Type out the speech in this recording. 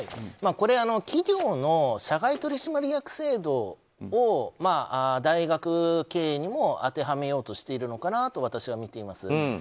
これは、企業の社外取締役制度を大学経営にも当てはめようとしているのかなと私は見ています。